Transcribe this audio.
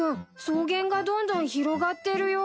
草原がどんどん広がってるよ。